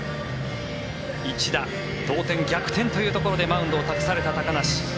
一打同点、逆転というところでマウンドを託された高梨。